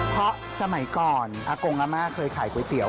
เพราะสมัยก่อนอากงอาม่าเคยขายก๋วยเตี๋ย